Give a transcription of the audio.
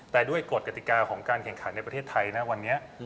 แต่ด้วยกฎกติกาของการแข่งขันในประเทศไทยนะวันนี้